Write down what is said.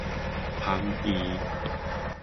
พังอีก